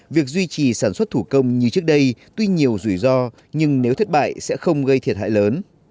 việc duy trì sản xuất thủ công như trước đây tuy nhiều rủi ro nhưng nếu thất bại sẽ không gây thiệt hại lớn